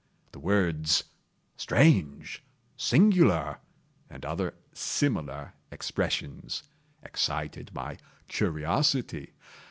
The words "strange!" "singular!" and other similar expressions, excited my curiosity.